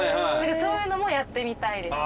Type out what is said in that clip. そういうのもやってみたいですし。